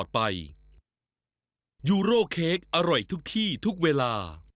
ไปซะ